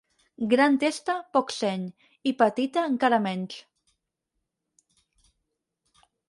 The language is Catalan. Gran testa, poc seny; i petita, encara menys.